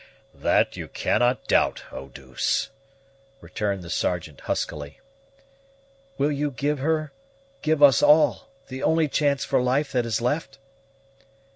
"That you cannot doubt, Eau douce," returned the Sergeant huskily. "Will you give her give us all the only chance for life that is left?"